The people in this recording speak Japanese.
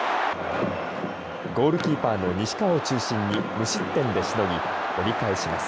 ゴールキーパーの西川を中心に無失点でしのぎ、折り返します。